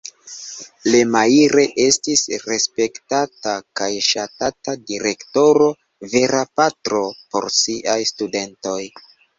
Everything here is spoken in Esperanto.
Lemaire estis respektata kaj ŝatata direktoro, vera patro por siaj studentoj.